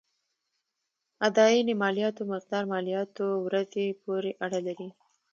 اداينې مالياتو مقدار مالياتو ورځې پورې اړه لري.